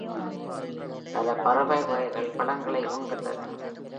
பல பறவை வகைகள் பழங்களை உண்கின்றன.